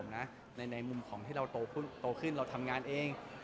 ในมุมของที่เราโตขึ้นเราทำงานเอง